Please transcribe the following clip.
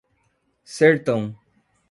Sertão